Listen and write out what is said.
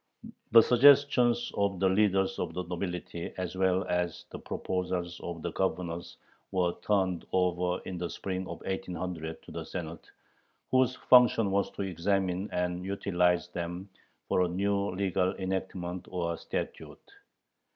The suggestions of the leaders of the nobility as well as the proposals of the governors were turned over in the spring of 1800 to the Senate, whose function was to examine and utilize them for a new legal enactment or "statute."